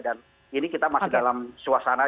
dan ini kita masih dalam suasana